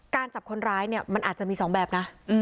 จับคนร้ายเนี่ยมันอาจจะมี๒แบบนะ